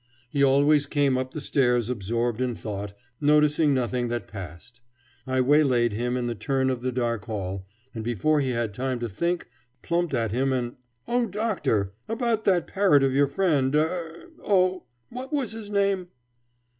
He always came up the stairs absorbed in thought, noticing nothing that passed. I waylaid him in the turn of the dark hall, and before he had time to think plumped at him an "Oh, Doctor! about that parrot of your friend er er, oh! what was his name?"